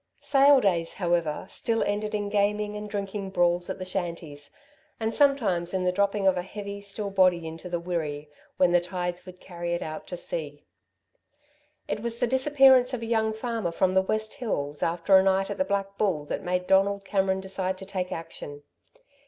Sale days, however, still ended in gaming and drinking brawls at the shanties, and sometimes in the dropping of a heavy, still body into the Wirree, when the tides would carry it out to sea. It was the disappearance of a young farmer from the West Hills after a night at the Black Bull that made Donald Cameron decide to take action.